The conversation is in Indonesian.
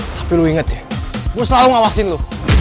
tapi lu inget ya gue selalu ngawasin lo